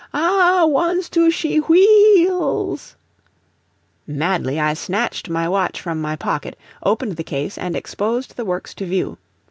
"Ah h h wants to shee wheels " Madly I snatched my watch from my pocket, opened the case, and exposed the works to view.